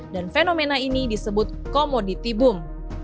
dan fenomena ini disebut komoditi boom